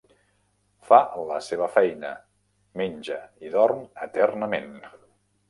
Fa la seva feina, menja i dorm eternament!